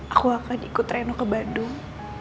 aku akan ikut reno ke bandung